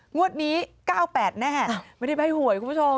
งวดนี้๙๘แน่ไม่ได้ใบ้หวยคุณผู้ชม